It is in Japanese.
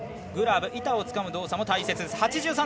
グラブ、板をつかむ動作も大切。